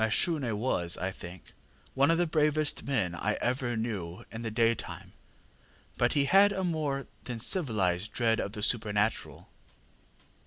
ŌĆ£Mashune was, I think, one of the bravest men I ever knew in the daytime, but he had a more than civilized dread of the supernatural.